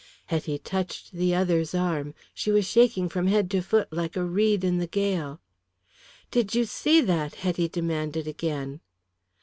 Hetty touched the other's arm. She was shaking from head to foot like a reed in the gale. "Did you see that?" Hetty demanded, again.